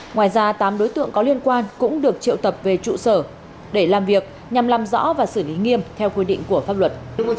ngoài ra tám đối tượng có liên quan cũng được triệu tập về trụ sở để làm việc nhằm làm rõ và xử lý nghiêm theo quy định của pháp luật